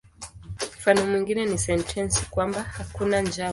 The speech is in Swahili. Mfano mwingine ni sentensi kwamba "hakuna njama".